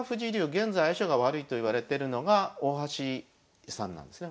現在相性が悪いといわれてるのが大橋さんなんですね。